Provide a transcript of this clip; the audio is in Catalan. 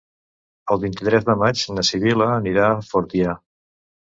El vint-i-tres de maig na Sibil·la anirà a Fortià.